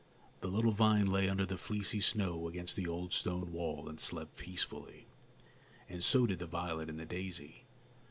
The little vine lay under the fleecy snow against the old stone wall and slept peacefully, and so did the violet and the daisy.